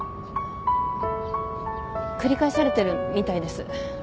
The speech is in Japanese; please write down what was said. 繰り返されてるみたいです。